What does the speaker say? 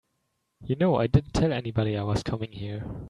You know I didn't tell anybody I was coming here.